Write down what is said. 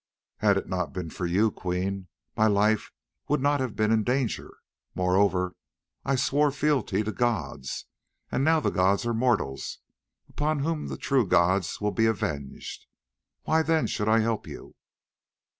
"Had it not been for you, Queen, my life would not have been in danger; moreover, I swore fealty to gods, and now the gods are mortals, upon whom the true gods will be avenged. Why then should I help you?"